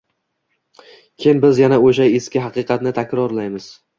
Keyin biz yana o'sha eski haqiqatni takrorlaymiz: